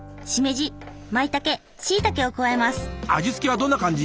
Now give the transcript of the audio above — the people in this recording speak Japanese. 味付けはどんな感じ？